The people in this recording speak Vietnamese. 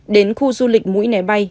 đến khu du lịch mũi né bay